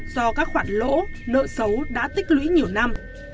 do các khoản lỗ nợ xấu đã tích lũy nhiều năm